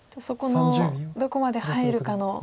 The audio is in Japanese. そこのどこまで入るかの。